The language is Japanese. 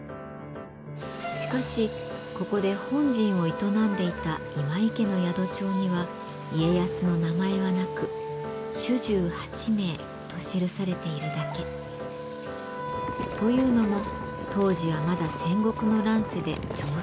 しかしここで本陣を営んでいた今井家の宿帳には家康の名前はなく「主従八名」と記されているだけ。というのも当時はまだ戦国の乱世で情勢も不安定。